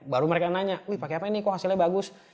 baru mereka nanya wih pakai apa ini kok hasilnya bagus